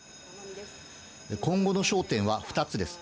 今後の焦点は２つです。